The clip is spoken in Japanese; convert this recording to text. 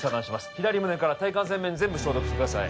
左胸から体幹前面全部消毒してください